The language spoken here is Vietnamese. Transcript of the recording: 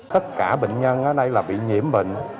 tất cả bệnh nhân ở đây là bị nhiễm bệnh